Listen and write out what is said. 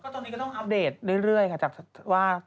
ตอนนี้ก็ต้องอัปเดตเรื่อยค่ะจากว่า